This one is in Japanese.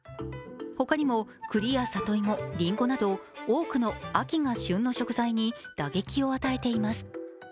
ほかにも、くりや里芋、りんごなど多くが秋の旬の食材に打撃を与えています。